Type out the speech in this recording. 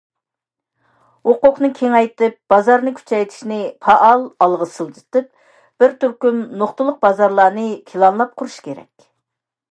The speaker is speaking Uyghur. ھوقۇقنى كېڭەيتىپ، بازارنى كۈچەيتىشنى پائال ئالغا سىلجىتىپ، بىر تۈركۈم نۇقتىلىق بازارلارنى پىلانلاپ قۇرۇش كېرەك.